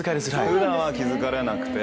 普段は気付かれなくて。